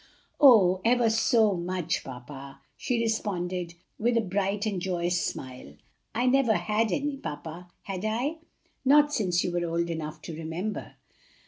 "Oh, ever so much, papa!" she responded with a bright and joyous smile. "I never had any, papa, had I?" "Not since you were old enough to remember."